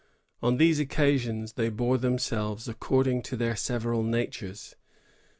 On these occasions they bore themselves according to their several natures.